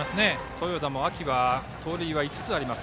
豊田も秋は盗塁が５つあります。